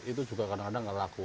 itu juga kadang kadang nggak laku